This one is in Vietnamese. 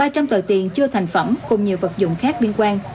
ba trăm linh tờ tiền chưa thành phẩm cùng nhiều vật dụng khác liên quan